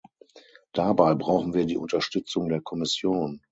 Dabei brauchen wir die Unterstützung der Kommission.